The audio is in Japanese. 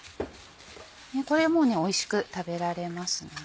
これでもうおいしく食べられますので。